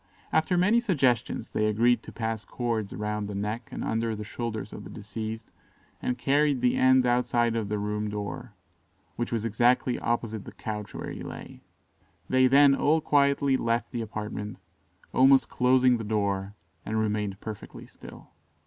After many suggestions, they agreed to pass cords round the neck and under the shoulders of the deceased, and carried the ends outside the room door, which was exactly opposite the couch where he lay. They then all quietly left the apartment, almost closing the door, and remained perfectly still.